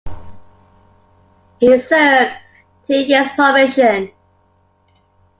He served two years probation.